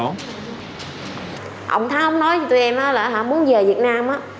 ông thái ông nói với tụi em là muốn về việt nam